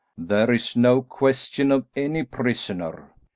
"There is no question of any prisoner.